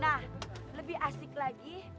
nah lebih asik lagi